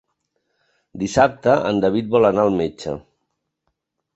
Dissabte en David vol anar al metge.